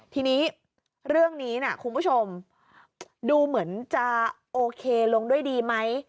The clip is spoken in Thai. ทีนี้เรื่องนี้นะคุณผู้ชมดูเหมือนจะโอเคลงด้วยดีไหม